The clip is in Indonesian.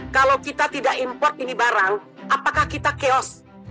kalau kita tidak import ini barang apakah kita chaos